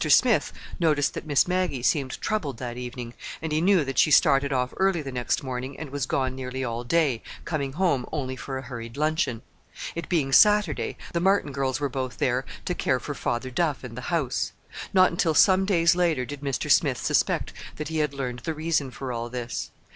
Mr. Smith noticed that Miss Maggie seemed troubled that evening, and he knew that she started off early the next morning and was gone nearly all day, coming home only for a hurried luncheon. It being Saturday, the Martin girls were both there to care for Father Duff and the house. Not until some days later did Mr. Smith suspect that he had learned the reason for all this.